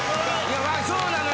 そうなのよ